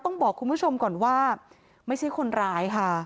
ต้องบอกคุณผู้ชมก่อนว่าไม่ใช่คนร้ายค่ะ